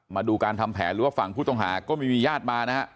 มาดูการทำแผนหรือว่าฝั่งผู้ต้องหาก็ไม่มีญาติมานะฮะ